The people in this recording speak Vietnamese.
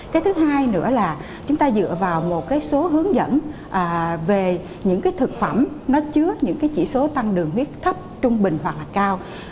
cái thứ hai nữa là chúng ta dựa vào một cái số hướng dẫn về những cái thực phẩm nó chứa những cái chỉ số tăng đường huyết thấp trung bình hoặc là cao